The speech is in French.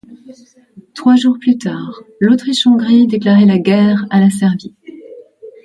Trois jours plus tard, l'Autriche-Hongrie déclarait la guerre à la Serbie.